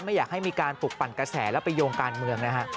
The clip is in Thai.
ไม่อยากให้มีการปลุกปั่นกระแสแล้วไปโยงการเมืองนะฮะ